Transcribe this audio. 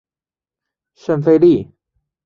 圣费利。